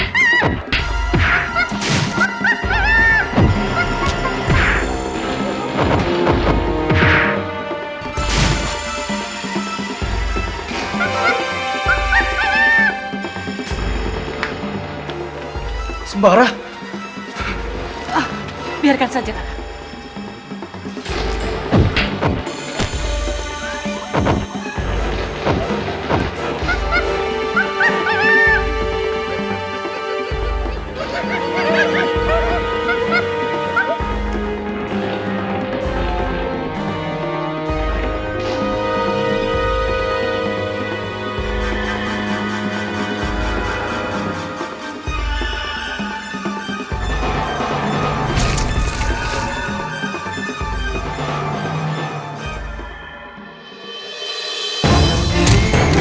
tidak tidak tidak